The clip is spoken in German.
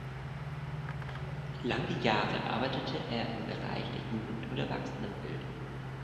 Lange Jahre arbeitete er im Bereich der Jugend- und Erwachsenenbildung.